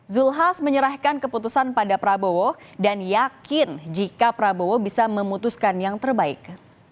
zulkifli hasan menyerahkan keputusan pada prabowo dan yakin jika prabowo bisa memutuskan yang terbaik